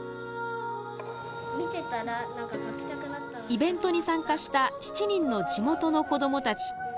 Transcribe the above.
イベントに参加した７人の地元の子どもたち。